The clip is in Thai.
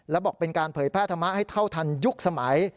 แล้วบอกเป็นการเผยแพร่ธรรมะให้เท่าทันยุคสมัย